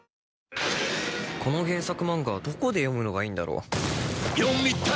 この原作漫画どこで読むのがいいんだろう？